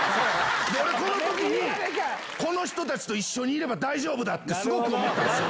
俺、このときにこの人たちと一緒にいれば大丈夫だって、すごく思ったなるほど。